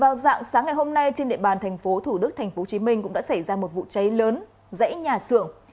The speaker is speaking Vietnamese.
vào dạng sáng ngày hôm nay trên địa bàn tp thủ đức tp hcm cũng đã xảy ra một vụ cháy lớn dãy nhà xưởng